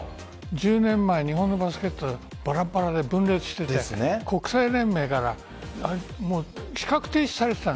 １０年前に日本のバスケットバラバラで分裂していて国際連盟から資格停止された。